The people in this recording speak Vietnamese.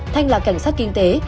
thành là cảnh sát kinh tế